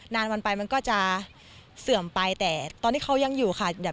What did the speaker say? วันไปมันก็จะเสื่อมไปแต่ตอนที่เขายังอยู่ค่ะ